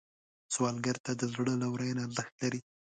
سوالګر ته د زړه لورینه ارزښت لري